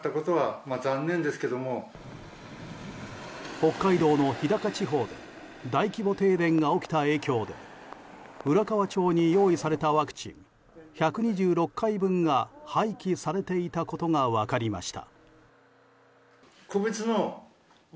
北海道の日高地方で大規模停電が起きた影響で浦河町に用意されたワクチン１２６回分が廃棄されていたことが分かりました。